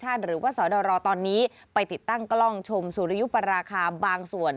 หรือว่าสอดรตอนนี้ไปติดตั้งกล้องชมสุริยุปราคาบางส่วน